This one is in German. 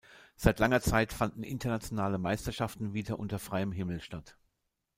Seit langer Zeit fanden internationale Meisterschaften wieder unter freiem Himmel statt.